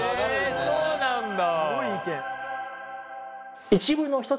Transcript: へえそうなんだ。